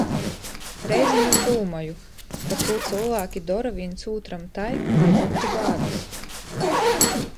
Reizem es dūmoju, parkū cylvāki dora vīns ūtram tai, lai byutu bādys.